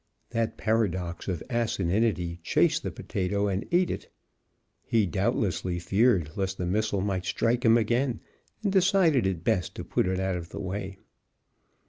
That paradox of asininity chased the potato, and ate it. He, doubtlessly, feared lest the missile might strike him again, and decided it best to put it out of the way.